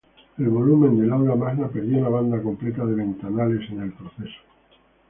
El volumen del Aula Magna perdió una banda completa de ventanales en el proceso.